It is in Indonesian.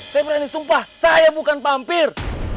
saya berani sumpah saya bukan mampir